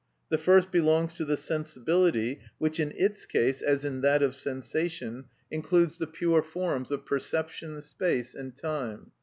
The first belongs to the sensibility, which in its case, as in that of sensation, includes the pure forms of perception, space and time.